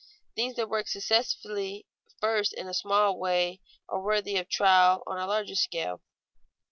Things that work successfully first in a small way are worthy of trial on a larger scale.